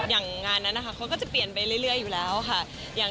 งานนั้นนะคะเขาก็จะเปลี่ยนไปเรื่อยอยู่แล้วค่ะ